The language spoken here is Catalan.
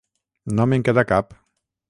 No me'n queda cap.